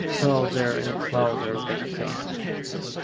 Closer and closer they came.